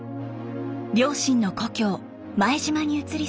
両親の故郷前島に移り住み